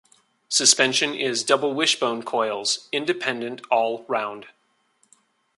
Suspension is double-wishbone coils, independent all round.